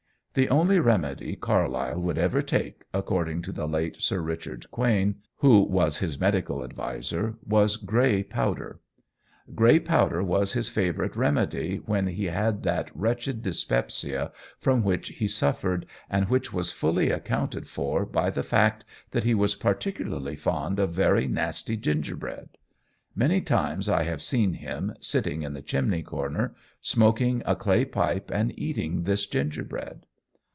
The only remedy Carlyle would ever take, according to the late Sir Richard Quain who was his medical adviser, was Grey powder. "Grey powder was his favourite remedy when he had that wretched dyspepsia from which he suffered, and which was fully accounted for by the fact that he was particularly fond of very nasty gingerbread. Many times I have seen him, sitting in the chimney corner, smoking a clay pipe and eating this gingerbread."